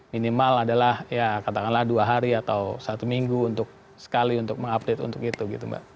minimal adalah ya katakanlah dua hari atau satu minggu untuk sekali untuk mengupdate untuk itu gitu mbak